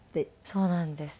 そうなんです。